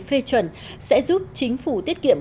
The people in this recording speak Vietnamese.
phê chuẩn sẽ giúp chính phủ tiết kiệm